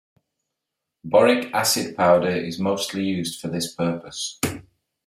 Boric acid powder is mostly used for this purpose.